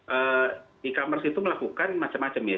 e commerce itu melakukan macam macam ya